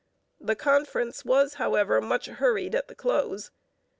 The conference was, however, much hurried at the close.